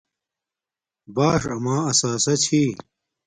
باؑݽ اما اساسہ چھی